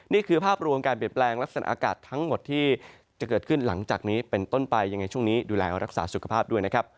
นี่คือภาพรวมการเปลี่ยนแปลงลักษณะอากาศทั้งหมดที่จะเกิดขึ้นหลังจากนี้เป็นต้นไปยังไงช่วงนี้ดูแลรักษาสุขภาพด้วยนะครับ